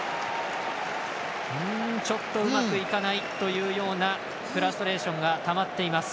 ちょっとうまくいかないというフラストレーションがたまっています。